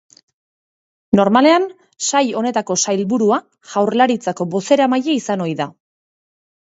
Normalean, sail honetako sailburua, Jaurlaritzako bozeramaile izan ohi da.